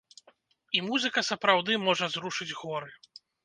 І музыка сапраўды можа зрушыць горы.